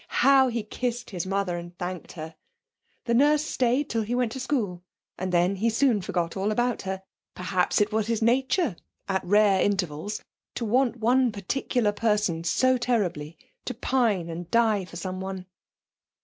How he kissed his mother, and thanked her! The nurse stayed till he went to school and then he soon forgot all about her. Perhaps it was in his nature at rare intervals to want one particular person so terribly, to pine and die for someone!